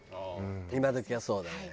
今どきはそうだね。